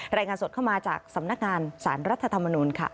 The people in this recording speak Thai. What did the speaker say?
รายงานสดเข้ามาจากสำนักงานสารรัฐธรรมนุนค่ะ